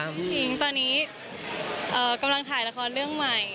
ทิ้งตอนนี้กำลังถ่ายละครเรื่องใหม่